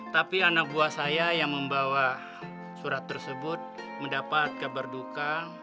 tapi anak buah saya yang membawa surat tersebut mendapat kabar duka